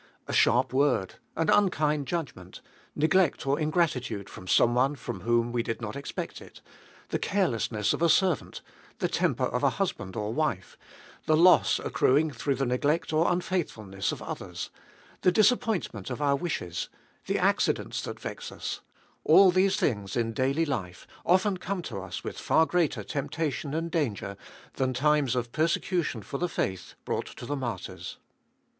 A sharp word ; an unkind judgment ; neglect or ingratitude from some one from whom we did not expect it ; the carelessness of a servant; the temper of a husband or wife; the loss accruing through the neglect or unfaithfulness of others ; the disappoint ment of our wishes ; the accidents that vex us — all these things in daily life often come to us with far greater temptation and danger than times of persecution for the faith brought to the martyrs.